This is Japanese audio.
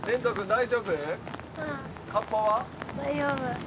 ◆大丈夫。